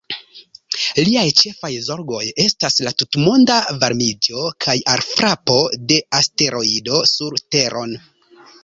Liaj ĉefaj zorgoj estas la tutmonda varmiĝo kaj alfrapo de asteroido sur Teron.